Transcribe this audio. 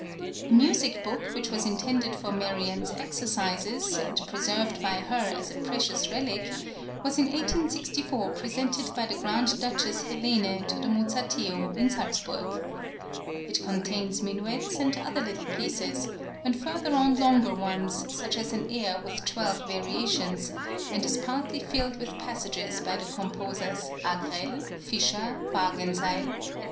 [10027] A music book which was intended for Marianne's exercises, and preserved by her as a precious relic, was in 1864 presented by the Grand Duchess Helene to the Mozarteum in Salzburg.[10028] It contains minuets and other little pieces, and further on longer ones, such as an air with twelve variations, and is partly filled with passages by the composers Agrell, Fischer, Wagenseil, &c.